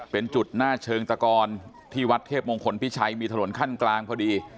เป็นจุดหน้าเชิงตะกรที่วัดเทพมงคลพิชัยมีถนนขั้นกลางพอดี